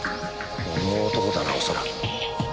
この男だなおそらく。